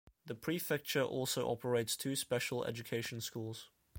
The prefecture also operates two special education schools.